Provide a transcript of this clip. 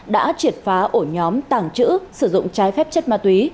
đã triệt phá ổ nhóm tàng trữ sử dụng trái phép chất ma túy